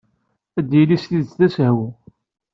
Ad yili s tidet d asehwu.